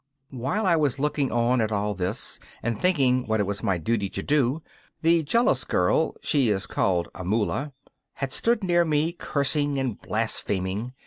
While I was looking on at all this, and thinking what it was my duty to do, the jealous girl she is called Amula had stood near me, cursing and blaspheming.